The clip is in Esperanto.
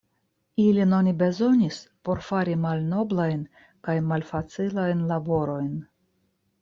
Ilin oni bezonis por fari malnoblajn kaj malfacilajn laborojn.